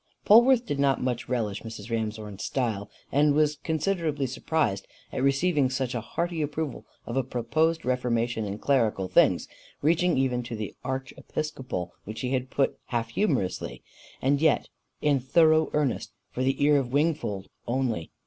Polwarth did not much relish Mrs. Ramshorn's style, and was considerably surprised at receiving such a hearty approval of a proposed reformation in clerical things, reaching even to the archiepiscopal, which he had put half humorously, and yet in thorough earnest, for the ear of Wingfold only.